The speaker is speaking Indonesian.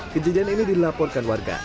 kejadian ini dilaporkan warga